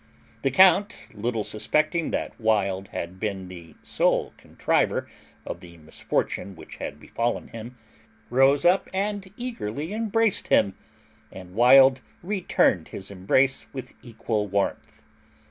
The count, little suspecting that Wild had been the sole contriver of the misfortune which had befallen him, rose up and eagerly embraced him, and Wild returned his embrace with equal warmth.